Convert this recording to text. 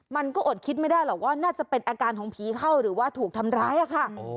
มันก็อดคิดไม่ได้หรอกว่าน่าจะเป็นอาการของผีเข้าหรือว่าถูกทำร้ายอะค่ะ